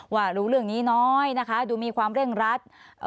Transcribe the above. ว่ารู้เรื่องนี้น้อยนะคะดูมีความเร่งรัด